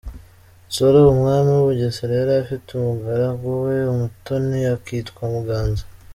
Nsoro umwami w’u Bugesera yari afite umugaragu we w’umutoni akitwa Muganza .